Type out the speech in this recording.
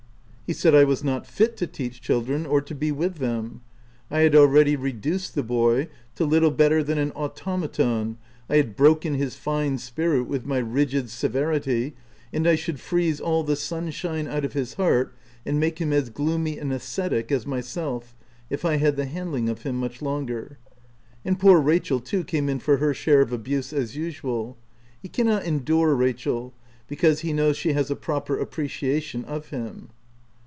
He said I was not fit to teach children, or to be with them : I had already reduced the boy to little better than an automaton, I had broken his fine spirit with my rigid severity ; and I should freeze all the sunshine out of his heart, and make him as gloomy an ascetic as myself, if I had the handling of him much longer. And poor Rachel, too, came in for her share of abuse, as usual ; he cannot endure Rachel, because he knows she has a proper appreciation of him.